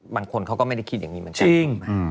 บางคนเขาก็ไม่ได้คิดอย่างนี้เหมือนกัน